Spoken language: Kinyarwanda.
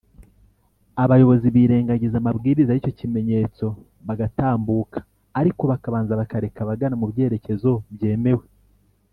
abayobozi birengagiza amabwiriza y’icyo kimenyetso bagatambuka ariko bakabanza bakareka abagana mubyerekezo byemewe